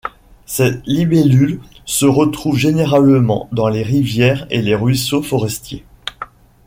Ces libellules se retrouvent généralement dans les rivières et ruisseaux forestiers.